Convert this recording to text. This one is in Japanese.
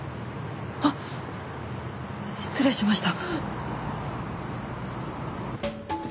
あっ失礼しました。